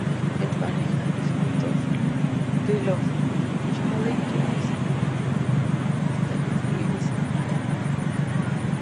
En parejas, los puntos de los Challenger están excluidos.